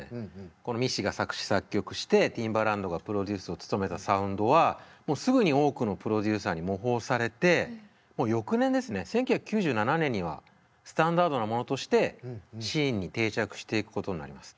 このミッシーが作詞作曲してティンバランドがプロデュースを務めたサウンドはもうすぐに多くのプロデューサーに模倣されてもう翌年ですね１９９７年にはスタンダードなものとしてシーンに定着していくことになります。